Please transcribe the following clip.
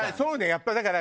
やっぱりだから。